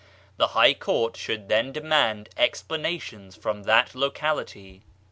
The High Court should then demand explanations from that locality.